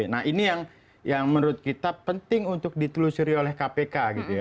nah ini yang menurut kita penting untuk ditelusuri oleh kpk gitu ya